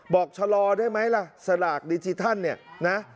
ชะลอได้ไหมล่ะสลากดิจิทัลเนี่ยนะ